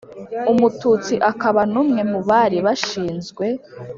umututsi akaba n'umwe mu bari bashinzwe